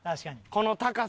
この高さ。